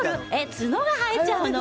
角が生えちゃうの？